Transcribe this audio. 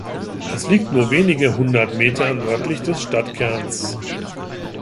Es liegt nur wenige hundert Meter nördlich des Stadtkerns.